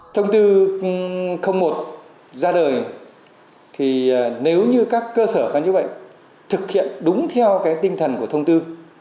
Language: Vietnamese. thông tư một ra đời thì nếu như các cơ sở khán giác bệnh thực hiện đúng theo cái tinh thần của thông tư